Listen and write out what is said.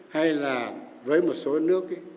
hay là với một số nước